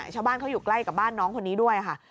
ชาวบ้านเขาอยู่ใกล้กับบ้านน้องคนนี้ด้วยค่ะ